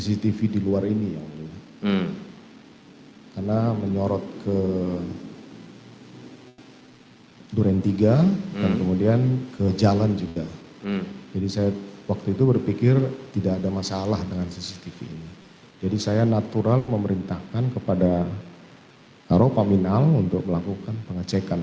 sambo memerintahkan kepada haro paminal untuk melakukan pengecekan